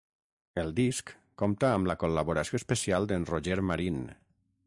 El disc compta amb la col·laboració especial d'en Roger Marín.